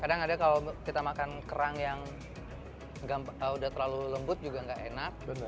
kadang kadang kalau kita makan kerang yang udah terlalu lembut juga nggak enak